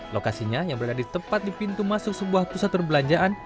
lokasinya yang berada di tepat di pintu masuk sebuah pusat perbelanjaan